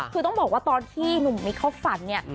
คือต้องบอกว่าตอนที่หนุ่มมิ๊กเขาฝันเนี่ย